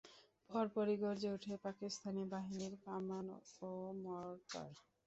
পরপরই গর্জে ওঠে পাকিস্তানি বাহিনীর কামান ও মর্টার।